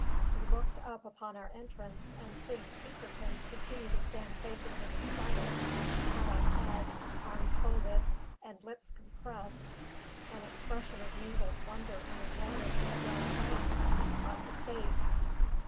He looked up upon our entrance; and seeing Pinkerton continue to stand facing him in silence, hat on head, arms folded, and lips compressed, an expression of mingled wonder and annoyance began to dawn upon his placid face.